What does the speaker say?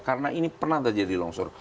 karena ini pernah terjadi longsor